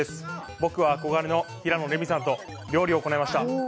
僕は憧れの平野レミさんと料理を行いました。